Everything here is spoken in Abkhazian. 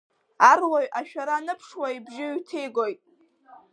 Аруаҩ ашәара аныԥшуа ибжьы ҩҭигоит.